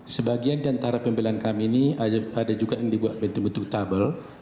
sebagian diantara pembelaan kami ini ada juga yang dibuat bentuk bentuk tabel